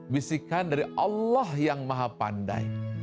bisikan dari allah yang maha pandai